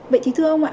vậy thì thưa ông ạ